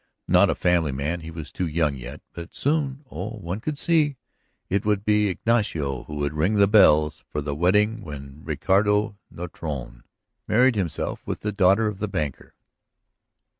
Not a family man; he was too young yet. But soon; oh, one could see! It would be Ignacio who would ring the bells for the wedding when Roderico Nortone married himself with the daughter of the banker.